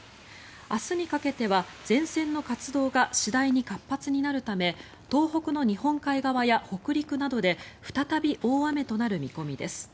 明日にかけては前線の活動が次第に活発になるため東北の日本海側や北陸などで再び大雨となる見込みです。